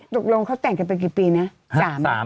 ตกลงเขาแต่งกันไปกี่ปีนะ